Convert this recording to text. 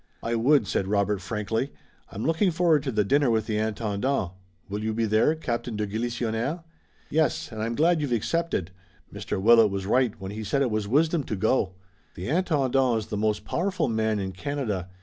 "I would," said Robert frankly. "I'm looking forward to the dinner with the Intendant. Will you be there, Captain de Galisonnière?" "Yes, and I'm glad you've accepted. Mr. Willet was right when he said it was wisdom to go. The Intendant is the most powerful man in Canada.